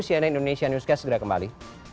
cnn indonesia newscast segera kembali